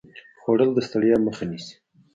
خوړل د ستړیا مخه نیسي